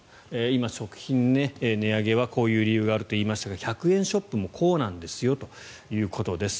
今、食品値上げはこういう理由があると言いましたが１００円ショップもこうなんですよということです。